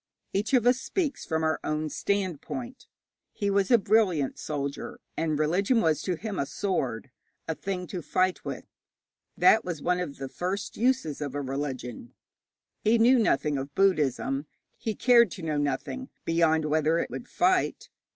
Each of us speaks from our own standpoint. He was a brilliant soldier, and a religion was to him a sword, a thing to fight with. That was one of the first uses of a religion. He knew nothing of Buddhism; he cared to know nothing, beyond whether it would fight.